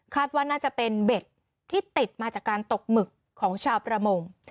ว่าน่าจะเป็นเบ็ดที่ติดมาจากการตกหมึกของชาวประมง